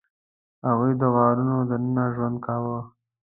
هغوی د غارونو دننه ژوند کاوه.